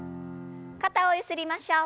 肩をゆすりましょう。